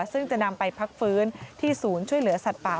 ซึ่งจะนำไปพักฟื้นที่ศูนย์ช่วยเหลือสัตว์ป่า